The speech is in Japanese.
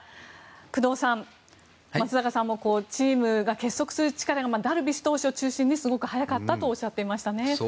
工藤さん、松坂さんもチームが結束する力がダルビッシュ投手を中心にすごく早かったとおっしゃってましたね。